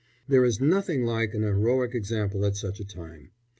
There is nothing like an heroic example at such a time.